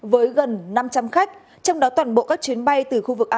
với gần năm trăm linh khách trong đó toàn bộ các chuyến bay từ khu vực asean